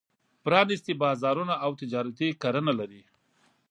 پرانېستي بازارونه او تجارتي کرنه لري.